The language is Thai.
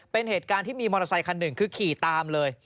เป็นเหตุการณ์ที่มีมอเตอร์ไซคันหนึ่งคือขี่ตามเลย